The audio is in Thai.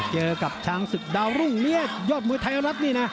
เจอกับช้างศึกดาวรุ่งนี้ยอดมวยไทยรัฐนี่นะ